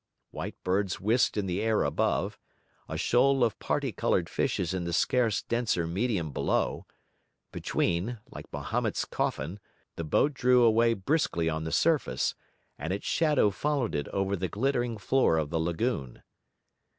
White birds whisked in the air above, a shoal of parti coloured fishes in the scarce denser medium below; between, like Mahomet's coffin, the boat drew away briskly on the surface, and its shadow followed it over the glittering floor of the lagoon.